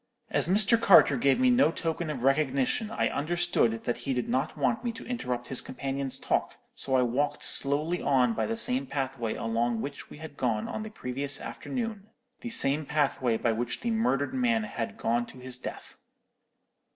As Mr. Carter gave me no token of recognition, I understood that he did not want me to interrupt his companion's talk, so I walked slowly on by the same pathway along which we had gone on the previous afternoon; the same pathway by which the murdered man had gone to his death.